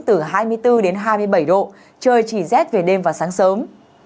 từ hai mươi bốn đến hai mươi bảy độ trời chỉ rét về đêm và sáng sớm